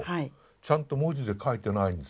ちゃんと文字で書いてないんです。